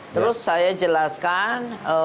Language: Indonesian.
terus saya jelaskan